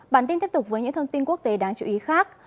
bản tin tiếp tục với những thông tin quốc tế đáng chú ý khác